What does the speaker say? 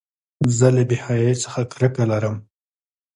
زه له بېحیایۍ څخه کرکه لرم.